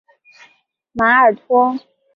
马尔托。